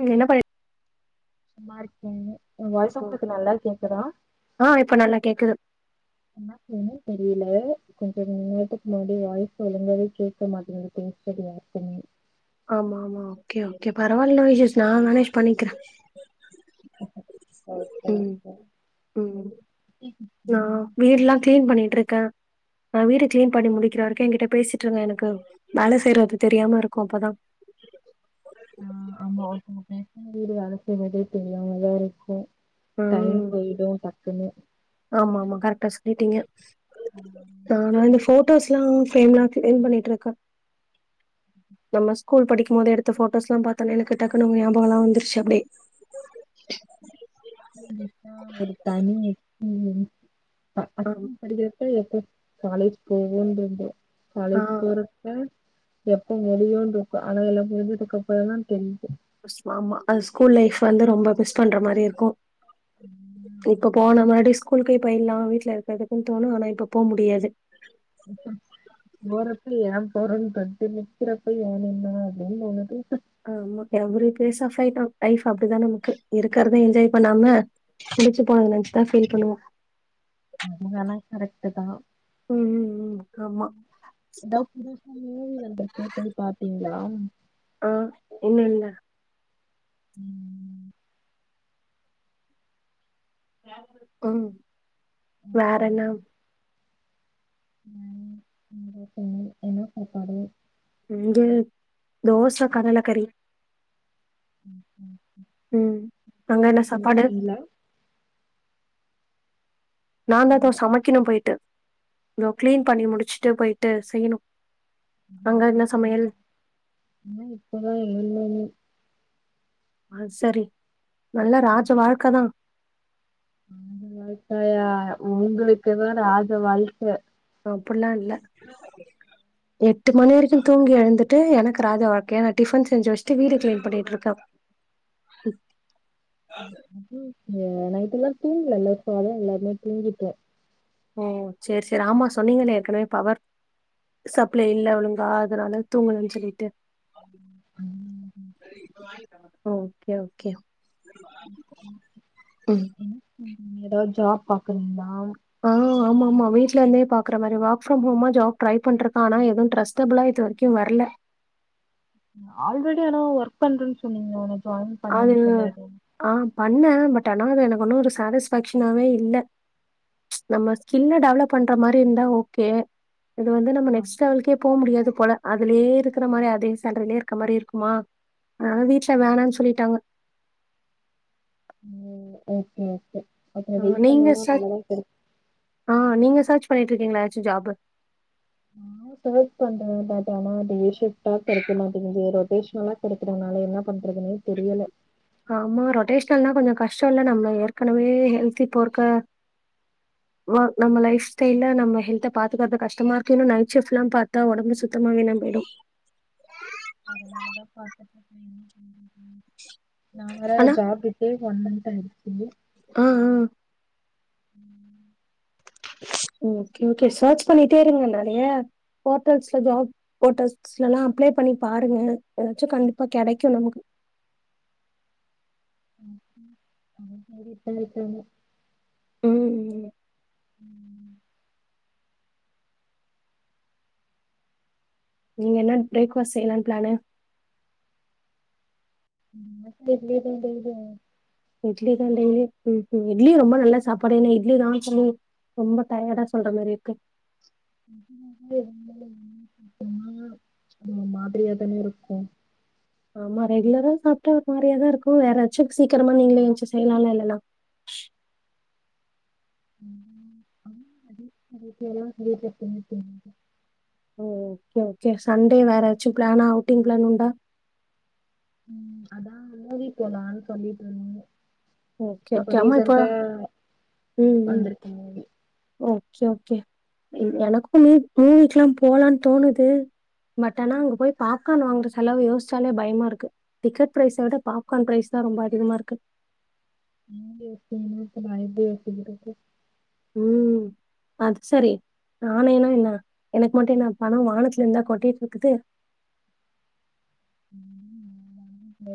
ம் என்ன பண் சும்மா இருக்கேங்க [unintelligible] ஆ இப்ப நல்லா கேக்குது என்ன செய்னே தெரில கொஞ்ச நேரத்துக்கு முன்னாடி என் வாய்ஸ் ஒழுங்காவே கேக்க மாட்டிங்குது பின் [unintelligible] பண்ணி ஆமா ஆமா ஓகே ஓகே பரவாயில்ல விஜிஸ் நா மேனேஜ் பண்ணிக்கிறே ஓகே ஓகே ம் ம் நான் வீடுலா கிளீன் பண்ணிட்டு இருக்கே நா வீடு கிளீன் பண்ணி முடிக்கிற வரைக்கு என்கிட்ட பேசிட்டுருங்க எனக்கு வேல செய்யறது தெரியாம இருக்கு அப்பதா ஆ ஆமா ஒருத்தவங்க பேசுனா வீடு வேல செய்றதே தெரியாம தா இருக்கு டைம் ம் போயிடு டக்குன்னு ஆமா ஆமா கரெக்டா சொல்லிட்டீங்க ஃபோட்டோஸ்லா ஃபேரம்லா கீளீன் பண்ணிட்டு இருக்கே ஸ்கூல் படிக்கும் போது எடுத்த போட்டோஸ்ல்லா பாத்தோனே எனக்கு டக்குன்னு உங்க ஞாபகல்லா வந்துருச்சு அப்டி ஸ்கூல் டேஸ்லா ஒரு தனி எக்ஸ்பிரியன்ஸ் ஆ பசங்க படிக்கறப் எப்போ காலேஜ் போவோன்னு இருந்த ஆ காலேஜ் போற இப்ப எப்ப முடியுனு இருக்கு ஆனா எல்லா முடிஞ்சதுக்கு அப்ரோ தா தெரியுது உஸ் சுவாம அது ஸ்கூல் லைஃப் வந்து ரொம்ப மிஸ் பண்ற மாரி இருக்கு ம் இப்ப ஆமா போன மாடி ஸ்கூலுக்கே போயிரலா வீட்ல இரு இப்ப எதுக்குன்னு தோணு ஆனா இப்ப போ முடியாது [unintelligible] போறப்ப ஏ போறன்னு தோணுது நிக்கறப்ப ஏ நின்னோ அப்டின்னு தோணுது ஆமா every phase of height life அப்டித்தா [unintelligible] இருக்கறத என்ஜாய் பண்ணாம முடிச்சு போனத நென்ச்சு தா ஃபீல் பண்ணுவோ அதெல்லா கரெக்ட் தா ம் ம் ம் ஆமா ம் எதாவது புதுசா மூவி வந்துருக்கு போய் பாத்தீங்களா ஆ இன்னு இல்ல ம் கும் ஓகே ஓகே நானு இந்த போற என்ன சாப்பாடு இங்க தோச கடலக்கறி ம் அங்க நீங்க என்ன சாப்பாடு சமச்சுட்டிங்களா ஆ நான்கதோ சமைக்கணு போயிட்டு னோ கிளீன் பண்ணி முடுச்சுட்டு போயிட்டு செய்யணு அங்க என்ன சமயல் ஆ இப்பதா ஏலல் அ செரி நல்ல ராஜ வாழ்க்க தா ஆ ராஜ வாழ்க்காயா உங்களுக்கு தாராஜ வாழ்க்க அப்புட்ல்லா இல்ல உம் எட்டு மணி வரைக்கு தூங்கி எழுந்துட்டு எனக்கு ராஜ வாழ்கையா நா டிபன் செஞ்சு வச்சுட்டு வீடு கிளீன் பண்ணிட்டு இருக்கே நைட்டு எல்லா தூங்கலல இபோ அதா எல்லாருமே தூங்கிட்டோ செரி செரி ஆமா சொன்னீங்களே ஏற்கனவே பவர் சப்ளே இல்ல ஒழுங்கா அதனால தூங்கலனு சொல்லிட்டு ஆமா ஓகே ஓகே ம் என்ன பன்றீங்கஏதாவ்து ஜாப் பாக்குறீங்களா ஆமா ஆமா வீட்டுல இருந்தே பாக்குறமாரி ஒர்க்ப்ரம்ஹோம் ஜாப் ட்ரை பண்ரேக்க ஆனா எது டிரஸ்டபுலா இது வரைக்கு வர்ல ஆல்ரெடி ஆனா ஒர்க் பண்றேன்னு சொன்னீங்க ஒன ஜாயின் அது பண்ணேன்னு சொல்லி ஆ பண்ணே பட் ஆனா எனக்கு ஒன்னு ஒரு சாட்டிஸ்ஃபேக்ஷ்னாவே இல்ல நம்ம ஸ்கில்ல டெவலப் பண்ற மாரி இருந்தா ஓகே இது வந்து நம்ம ஆ நெக்ஸ்ட் லெவலுக்கே போவ் முடியாது போல அதுலயே இருக்கற மாரி அதே சலட்ரிலயே இருக்க மாரி இருக்குமா ஆ வீட்ல வேணானு சொல்லிட்டாங்க ம் ஓகே ஓகே அப்புற ஆ வெயிட் நீங்க பண்ணாலும் சர் நல்லதா கெடைக்கு ஆ நீங்க சர்ச் பண்ணிட்டு இருக்கீங்களா ஏச்சு ஜாப்பு நாஒர் சேர்ச் பண்றது பட் ஆனா டே ஷிஃப்டா கெடைக்கமாட்டேங்குது ரொட்டேஷனலா கிடைக்கறதுனால என்ன பண்றதுனே ஆமா ரொட்டேஷனல்னா கொஞ்சோ கஷ்டோ இல்ல நம்ம ஏற்கனவே ஹெல்தி போர்க்க [inaudible] நம்ம லைப் ஸ்டைல்ல நம்மஹெல்த்த பாத்துக்கற்து கஷ்டமா இருக்கு இன்னுநைட் ஃஷிப்ட்ல்லா பாத்தா ஒடம்பு சுத்தமா வீணா பேயிடு அதனாலதா பாத்த நா வேற ஆனா ஜாப் கி இதுவே ஒன் மந்த் ஆயிடுச்சு ஆ ஆ உம் ஓகே ஓகே சர்ச் பண்ணிட்டே இருங்க நெறைய போர்டல்ஸ்ல ஜாப் போட்டோஸ்ல ல்லா அப்ளே பண்ணி பாருங்க ஏதாச்சு கண்டிப்பா கெடைக்கு நமக்கு [unintelligible] ம் ம் ம் [inaudible] நீங்க என்ன பிரேக்பாஸ்ட் செய்யலானு பிளானு [unintelligible] இட்லி தா டெய்லியு இட்லியு ரொம்ப நல்ல சாப்பாடு என்ன இட்லி நான் சொ ரொம்ப டயடா சொல்ற மாரி இருக்கு அ அது ஒரு மாதிரியா தான இருக்கு ஆமா ரெகுலரா சாப்ட்டா ஒரு மாரியாதா இருக்கு வேற யாராச்சு சீக்ரமா நீங்களே எந்ச்சு செய்யலால இல்லன்னா [inaudible] [inaudible] ஓ ஓகே ஓகே சண்டே வேற ஏதாச்சு பிளானா அவுட்டிங் பிளான் உண்டா அதா மூவி போலான்னு சொல்லிட்டு இருந்தே ஓகே இப்ப ஓகே ஆமா ரீசன்டா ம் ம் வந்திருக்க மூவி ஓகே ஓகே எனக்கு மூ மூவிக்கெல்லா போலான்னு தோணுது பட் ஆனா அங்க போய் பாத் பாப்கான் வாங்குற செலவு யோசிச்சாலே பயமா இருக்கு டிக்கெட் பிரைஸ விட பாப்கான் பிரரைஸ் தா ரொம்ப அதிகமாக இருக்கு [unintelligible] இருக்கு ம் அது சேரி நானேனா என்ன எனக்கு மட்டு என்ன பணோ வானத்துல இருந்தா கொட்டிட்டு இருக்குது [inaudible]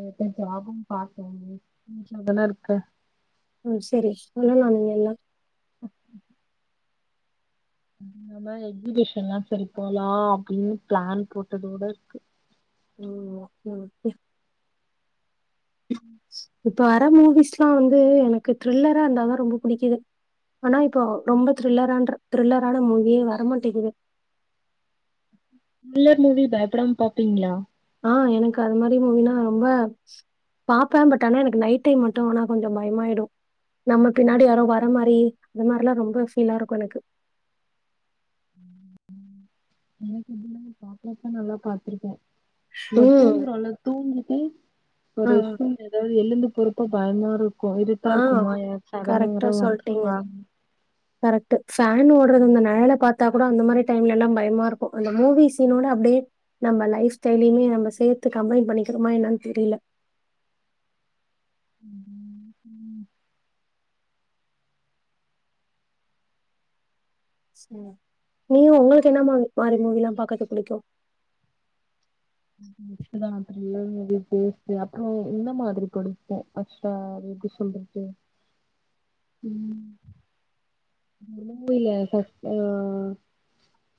இருக்கே ம் சேரி சொல்லுவ நீ எல்லா நம்ம எக்ஸிபிஷன் எல்லா செரி போலா அப்டின்னு பிளான் போட்டதோட இருக்கு ம் ஓகே ஓகே ம் இப்ப வர மூவிஸ் எல்லா வந்து எனக்கு திரில்லரா இருந்தாதா ரொம்ப பிடிக்குது ஆனா இப்போ ரொம்ப திரில்லரான திரில்லரான மூவியே வரமாட்டேங்குது திரில்லர் மூவி பயப்படமா பாப்பீங்களா ஆ எனக்கு அது மாரி மூவினா ரொம்ப பாப்பா பட் ஆனா எனக்கு நைட் டைம் மட்டு ஆனா கொஞ்சோ பயமாயிடு நம்ம பின்னாடி யாரோ வர மாரி அந்த மாரி எல்லா ரொம்ப ஃபீலா இருக்கு எனக்கு எனக்கு என்ன [inaudible] நல்லா பாத்திருக்கே நம்ம ம். தூங்குறோல்ல தூங்கிட்டு ஆ ரெஸ்ட் ரூம் எதாவது எழுந்து போறப்போ பயமா இருக் கு இருட்டா ஆ இருக்குமா யாராச்சு சடன யாரோ வந்துருவா கரெக்ட்டு ஃபேன் ஓட்ற அந்த நெழல பாத்தா கூட அந்த மாரி டைம்ல எல்லா பயமா இருக்கு அந்த மூவி சீனோட அப்டியே நம்ம லைப் ஸ்டைலயுமே நம்ம சேத்து கம்பைன் பண்ணிக்கிறமா என்னன்னு தெரில ம் நீ உங்களுக்கு என்ன மா மாரி மூவி எல்லா பாக்கறக்கு பிடிக்கு [inaudible] திரில்லர் மூவி அப்றே இந்த மாரி புடிக்கு ஹாட்ஸ்டார் எப்டி சொல்றது ம் [unintelligible]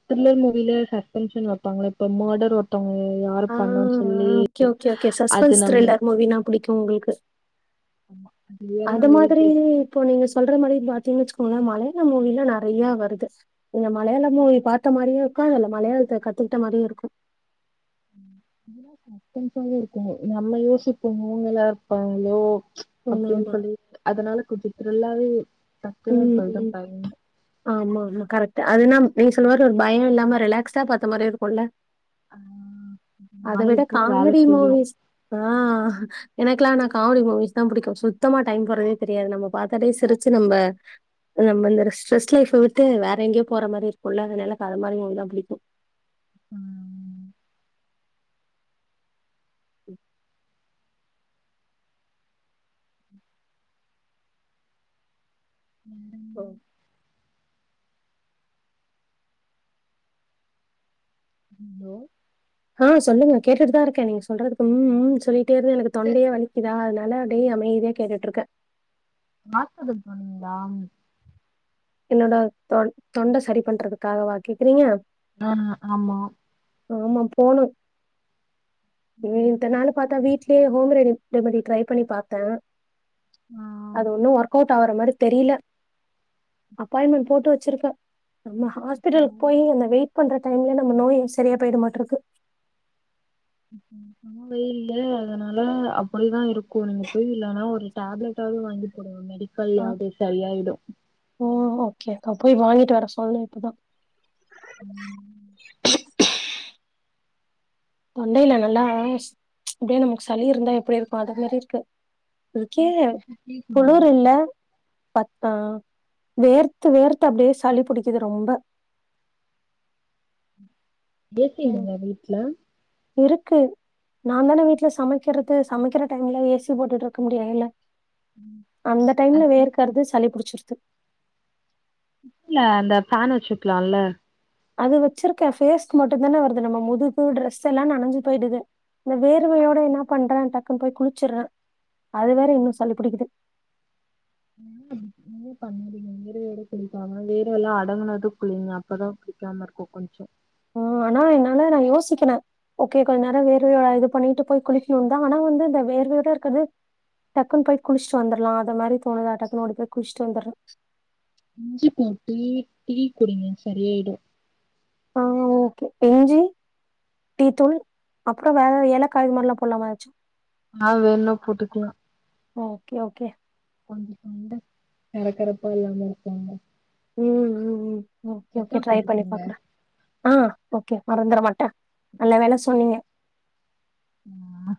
திரில்லர் மூவியில சஸ்பென்ஷன் வைப்பாங்கள இப்ப மர்டர் ஒருத்தவங்க யாரு ஆ பண்ணா ஆ சொல்லி அது நம்ம புடிக்கு உங்களுக்கு ஆமா வேணா அது நம்மளால கெஸ் மாதிரி இப்போ நீங்க சொல்ற மாதிரி பாத்தீங்கன்னு வெச்சுக்கோங்களே மலையாள மூவி எல்லா நெறையா வருது நீங்க மலையாள மூவி பாத்த மாரியு இருக்கு இதுல்ல மலையாளத்த கத்துக்கிட்ட மாரியு இருக்கு நல்லா சஸ்பென்சாவே இருக்கு நாமளே யோசிப்போ இவங்கலா இருப்பாங்லோ அப்டின்னு ஆமாமா. சொல்லி அதனால கொஞ்ச திரில்லாவே ம் ம் ஆமா ஆமா கரெக்ட் அதுனா நீங்க சொல்ல மாரி ஒரு பயோ இல்லாம ரிலாக்ஸ்டா பாத்த மாரி இருக்குல்ல ஆ அத நாளை விட எப்பவும் வேலை காமெடி செய்யும். மூவிஸ் ஆ எனக்குல்லா ஆனா காமெடி மூவிஸ் தா பிடிக்கு சுத்தமா டைம் போறதே தெரியாது நம்ம பாத்தாலே சிரிச்சி நம்ம நம்ம இந்த ஸ்ட்ரெஸ் லைப்ப விட்டு வேற எங்கயோ போற மாரி இருக்கும்ல்ல அதனால எனக்கு அது மாரி மூவி தா பிடிக்கும் ம் ம் ம் ஓ ஹலோ ஹலோ சொல்லுங்க கேட்டுட்டுதா இருக்க நீங்க சொல்றதுக்கு ம் ம் சொல்லிட்டே இருந்து எனக்கு தொண்டையே வலி க்குதா அதனால அப்டியே அமைதியா கேட்டுட்ருக்கே மாத்திரை [unintelligible] போனீங்களா என்னோட தொண் தொண்ட சரிப் பண்றதுக்காகவா கேக்குறீங்க அஹா ஆமா ஆமா போனும் ம் இத்தநாள் பாத்தா வீட்லே ஹோம் ரெ ரெமிடி ட்ரை பண்ணி பாத்த ஆ அது ஒன்னும் ஒர்க் அவுட் ஆகுற மாரி தெரியல அப்பாயிமெண்ட் போட்டு வச்சிருக்க நம்ம ஹாஸ்பிட்டலுக்கு போயி அந்த வெயிட் பண்ற டைம்ல நம்ம நோய் சரியா போயிடு மாட்ருக்கு செம வெயில்லு அதனால அப்புடிதா இருக்கும் நீங்க போயி இல்லனா ஒரு டேப்லெட்டாவது வாங்கி போடுங்க மெடிக்கலேயாவது சரியாயிடும் ஓ ஓகே போய் வாங்கிட்டு வர சொல்லணு இப்பதா ம் தொண்டையில நல்லா இப்டியே நமக்கு சளி இருந்தா எப்படி இருக்கும் அது மாரி இருக்கு இதுக்கே கொஞ்சம் டீ குடிங்க. குளூர் இல்ல பத் ஆ வேர்த்து வேர்த்து அப்டியே சளி புடிக்கிது ரொம்ப ஏசி ம் இல்லயா வீட்ல இருக்கு நான் தான வீட்ல சமைக்கிறது சமைக்கிற டைம்ல ஏசி போட்டுட்டு இருக்க முடியாதுல்ல அந்த டைம்ல அது வேர்க்கறது சளி புடிச்சிருது இல்ல அந்த ஃபேன் வச்சுக்கலாம்ல அது வச்சிருக்க பேஸ்கு மட்டும் தான வருது நம்ம முதுகு டிரெஸ் எல்லாம் நெனஞ்சு போயிடுது இந்த வேர்வையோட என்ன பண்ற டக்குன் போய் குளிச்சிட்ற அது வேற இன்னும் சளி பிடிக்குது ம் நீ பண்றீங்க வேர்வயோட குளிப்பாங்கா வேர்வ எல்லாம் அடங்குனது குளிங்க அப்பதா புடிக்காம இருக்கும் கொஞ்சோ ஆ ஆனா என்னனா நா யோசிக்கன ஓகே கொஞ்ச நேரம் வேர்வையோட இது பண்ணிட்டு போய் குளிக்கணும் தான் ஆனா வந்து இந்த வேர்வையோட இருக்குறது டக்குனு போய் குளிச்சிட்டு வந்துர்லாம் அது மாரிதோணுதா டக்குனு ஓடி போய் குளிச்சிட்டு வந்துட்ற இஞ்சி போட்டு டீ குடிங்க சரியாயிடும் ஆ ஓகே இஞ்சி டீத்தூள் அப்புறம் வேற ஏலக்கா இது மாரிலா போடலாமா எதாச்சு ஆ வேணுணா போட்டுக்கலாம் ஓகே ஓகே கொஞ்சோ தொண்ட கரகரப்பா இல்லாம இருக்குல்ல ம் ம் ம் ஓகே ஓகே ட்ரை பண்ணி போட்டுக்கோங்க பாக்குற ஆ ஓகே மறந்துற மாட்ட நல்ல வேல சொன்னீங்க ஆ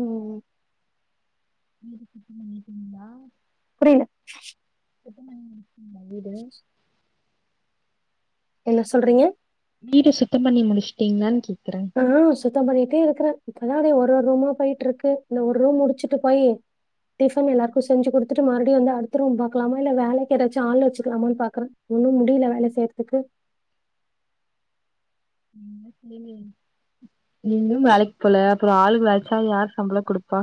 ம் ம் வீடு சுத்த நெனக்கிறீங்களா புரில சுத்தம் பண்ணி முடிஷ்ட்டிங்ளா வீடு என்ன சொல்றீங்க வீடு சுத்தம் பண்ணி முடிஷ்ட்டிளான் கேக்கறே ஆ சுத்தம் பண்ணிட்டே இருக்கிறே இப்பதா அப்டே ஒரு ஒரு ரூமா போய்ட்டுருக்கு இந்த ஒரு ரூம் முடிச்சுட்டு போயி டிஃபன் எல்லாருக்கு செஞ்சு குடுத் துட்டு மறுபடி வந்து அடுத்த ரூம் பாக்கலாமா இல்ல வேலைக்கு எதாச்சு ஆள் வெச்சுக்கலாமானு பாக்குற ஒன்னு முடில வேற செய்றத்துக்கு நீங்ளே செய்ங்க நீங்ளு வேலைக் போல ஒரு ஆளு வேல்ச்சா யாரு சம்பளோ குடுப்பா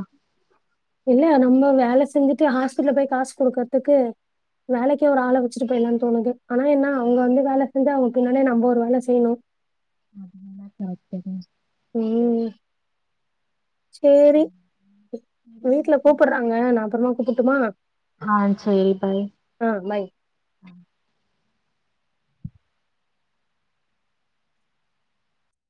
இல்ல நம்ம வேல செஞ்சுட்டு ஹாஸ்பிட்ல்ல போய் காசு குடுக்கற்துக்கு வேலைக்கே ஒரு ஆள வெச்சுட்டு போயல்லான் தோணுது ஆனா என்னா அவுங்க வந்து வேல செஞ்சு அவுங்க பின்னாடே நம்போ ஒரு வேல செய்யணு அதுக்கு இன்னாத்துக் [unintelligible] ம் சேரி சரி வீட்ல ஓகே கூப்புட்றாங்க நா அப்பறமா கூப்புட்டுமா அ சேரி பாய் அ பாய்